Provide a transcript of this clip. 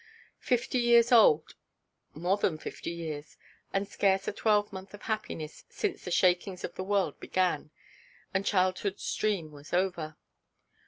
Fifty years old—more than fifty years—and scarce a twelvemonth of happiness since the shakings of the world began, and childhoodʼs dream was over.